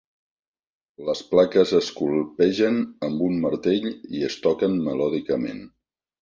Les plaques es colpegen amb un martell i es toquen melòdicament.